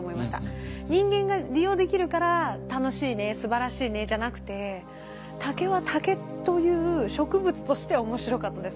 人間が利用できるから楽しいねすばらしいねじゃなくて竹は竹という植物として面白かったです。